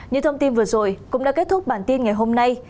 những thông tin vừa rồi cũng đã kết thúc bản tin ngày hôm nay